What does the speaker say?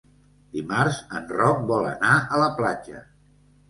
Dimarts en Roc vol anar a la platja.